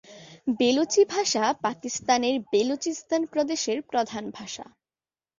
Bellucci ভাষা পাকিস্তানের বেলুচিস্তান প্রদেশের প্রধান ভাষা।